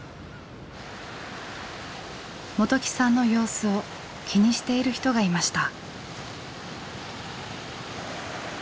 元起さんの様子を気にしている人がいました。